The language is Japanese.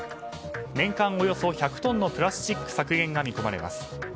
年間およそ１００トンのプラスチック削減が見込まれます。